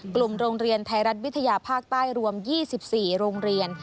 โรงเรียนไทยรัฐวิทยาภาคใต้รวม๒๔โรงเรียน